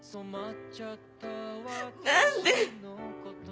何で。